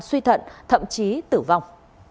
suy thận thậm chí tử vong